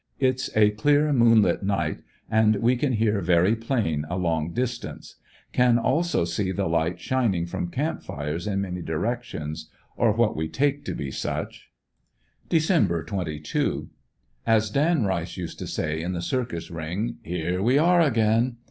It's a clear moon light night, and we can hear very plain a long distance. Can also 152 FINAL ESCAPE. see the light shining from camp fires in many directions, or what we take to be such. Dec. 22. — As Dan Rice used to say in the circus ring: *'Here we are again.